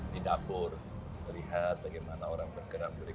di dapur melihat bagaimana orang bergerak